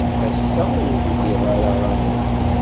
Ass-a, ur liɣ ara aɣanen.